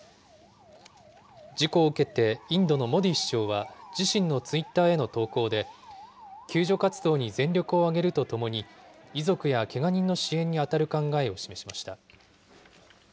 事故を受けて、インドのモディ首相は自身のツイッターへの投稿で、救助活動に全力を挙げるとともに、遺族やけが人の支援に当たる考えを示しました。